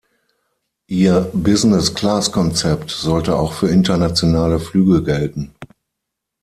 Ihr Business-Class-Konzept sollte auch für internationale Flüge gelten.